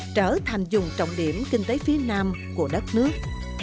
trở thành dùng trọng điểm kinh tế phía nam của đất nước